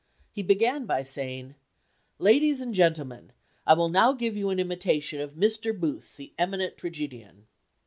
He began by saying: "Ladies and gentlemen: I will now give you an imitation of Mr. Booth, the eminent tragedian."